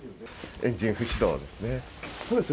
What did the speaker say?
エンジン不始動ですね。